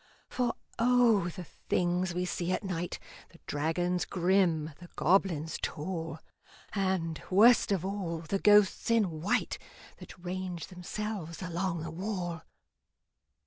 For O! the things we see at night The dragons grim, the goblins tall, And, worst of all, the ghosts in white That range themselves along the wall!